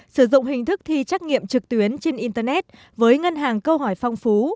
sử dụng hình thức thi trắc nghiệm trực tuyến trên internet với ngân hàng câu hỏi phong phú